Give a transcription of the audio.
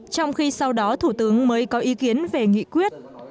trong khi sau đó thủ tướng mới có ý kiến về nghị quyết